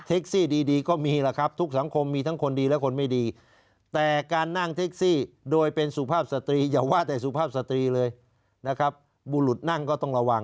ซี่ดีก็มีล่ะครับทุกสังคมมีทั้งคนดีและคนไม่ดีแต่การนั่งแท็กซี่โดยเป็นสุภาพสตรีอย่าว่าแต่สุภาพสตรีเลยนะครับบุรุษนั่งก็ต้องระวัง